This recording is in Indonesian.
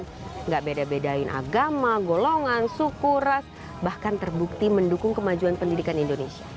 tidak beda bedain agama golongan suku ras bahkan terbukti mendukung kemajuan pendidikan indonesia